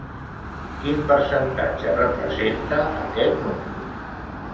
Quin percentatge representa aquest número?